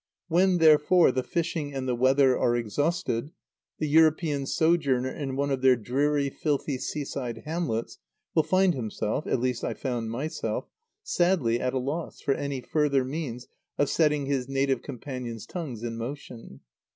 When, therefore, the fishing and the weather are exhausted, the European sojourner in one of their dreary, filthy seaside hamlets will find himself, at least I found myself, sadly at a loss for any further means of setting his native companions' tongues in motion.